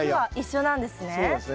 そうなんですね。